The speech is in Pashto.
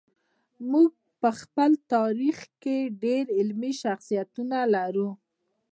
موږ په خپل تاریخ کې ډېر علمي شخصیتونه لرو.